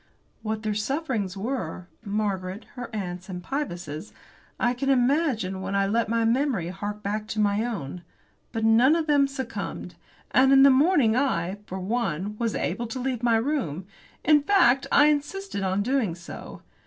What their sufferings were Margaret's, her aunt's, and Pybus's I can imagine when I let memory hark back to my own. But none of them succumbed. And in the morning I, for one, was able to leave my room; in fact, I insisted on doing so.